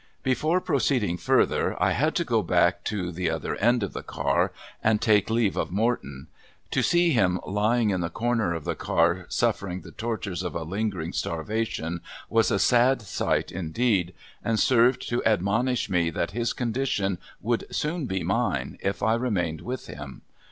Before proceeding further I had to go back to the other end of the car and take leave of Morton. To see him lying in the corner of the car suffering the tortures of a lingering starvation was a sad sight indeed, and served to admonish me that his condition would soon be mine if I remained with him.